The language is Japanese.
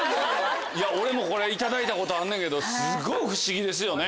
俺もこれいただいたことあんねやけどすごい不思議ですよね。